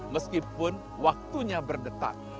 meskipun waktunya berdetak